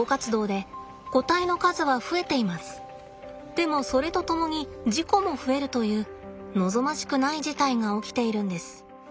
でもそれとともに事故も増えるという望ましくない事態が起きているんです。